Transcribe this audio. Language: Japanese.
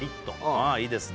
ああいいですね